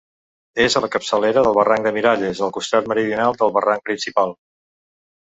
És a la capçalera del barranc de Miralles, al costat meridional del barranc principal.